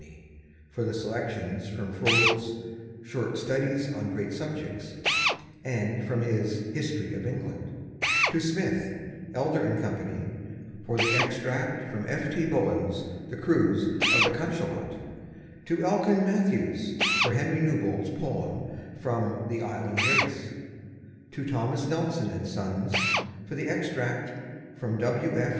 for the selections from Froude's "Short Studies on Great Subjects" and from his "History of England"; to Smith, Elder & Co., for the extract from F. T. Bullen's "The Cruise of the Cachalot"; to Elkin Mathews for Henry Newbolt's poem from "The Island Race"; to Thomas Nelson & Sons for the extract from W.